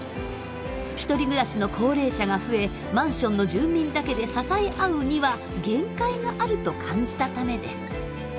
ひとり暮らしの高齢者が増えマンションの住民だけで支え合うには限界があると感じたためです。